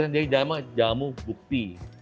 jadi jamu bukti